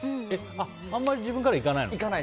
あんまり自分からはいかないの？